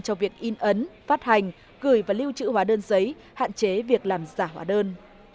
cho việc in ấn phát hành gửi và lưu trữ hóa đơn giấy hạn chế việc làm giả hóa đơn